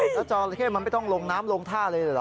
แล้วจอระเข้มันไม่ต้องลงน้ำลงท่าเลยเหรอ